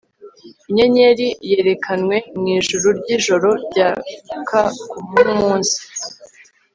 inyenyeri yerekanwe mwijuru ryijoro ryaka nkumunsi